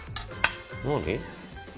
何？